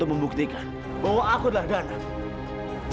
ampuni aku ki